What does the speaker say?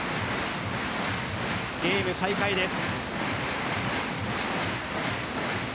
ゲーム再開です。